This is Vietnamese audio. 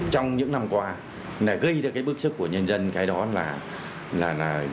trong những năm qua gây ra cái bức sức của nhân dân cái đó là